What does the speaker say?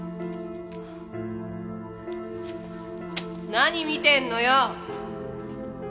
何見てんのよ！